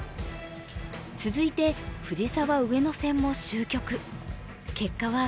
続いて藤沢・上野戦も終局。